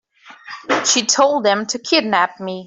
She told them to kidnap me.